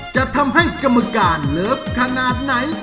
จะทำให้กรรมการเลิฟขนาดไหน